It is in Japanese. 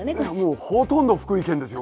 もうほとんど福井県ですよ